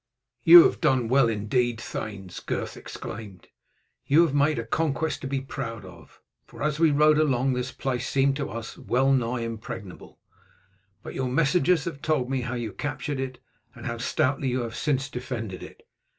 "You have done well indeed, thanes!" Gurth exclaimed. "You have made a conquest to be proud of; for as we rode along this place seemed to us well nigh impregnable. But your messengers have told me how you captured it, and how stoutly you have since defended it.